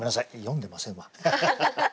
読んでませんわ。